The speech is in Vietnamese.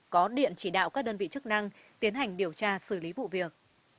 có điện chỉ đạo các đơn vị chức năng tiến hành điều tra xử lý vụ việc